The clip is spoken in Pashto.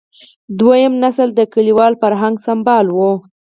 دویم نسل د کلیوال فرهنګ سمبال و.